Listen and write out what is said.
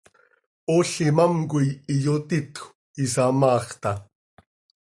Ool imám coi iyotitjö, isamaax taa.